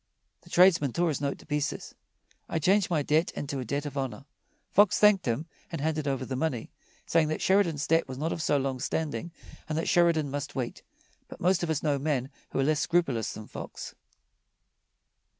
The tradesman tore his note to pieces: "I change my debt into a debt of honor." Fox thanked him and handed over the money, saying that Sheridan's debt was not of so long standing and that Sheridan must wait. But most of us know men who are less scrupulous than Fox.